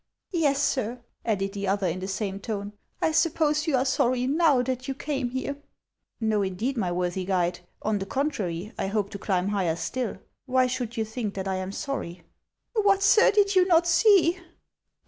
" Yes, sir," added the other, in the same tone ;" I sup pose you are sorry now that you came here ?"" Xo, indeed, my worthy guide ; on the contrary, I hope to climb higher stilL Why should you think that I am sorry ?"" What, sir, did you not see